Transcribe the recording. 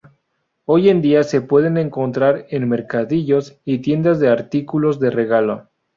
Hoy en día se pueden encontrar en mercadillos y tiendas de artículos de regalo.